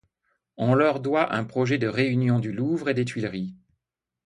On leur doit un projet de réunion du Louvre et des Tuileries.